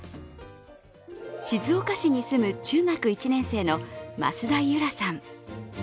静岡市に住む中学１年生の増田結桜さん。